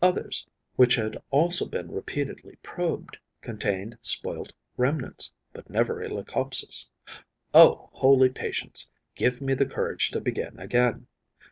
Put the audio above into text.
Others, which had also been repeatedly probed, contained spoilt remnants, but never a Leucopsis. O holy patience, give me the courage to begin again!